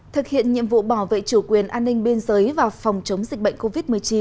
thực hiện nhiệm vụ bảo vệ chủ quyền an ninh biên giới và phòng chống dịch bệnh covid một mươi chín